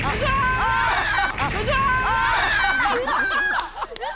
あっ。